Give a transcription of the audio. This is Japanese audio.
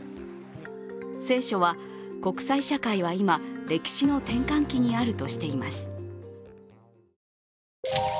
青書は国際社会は今、歴史の転換期にあるとしています。